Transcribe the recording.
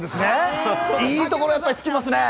いいところ突きますね。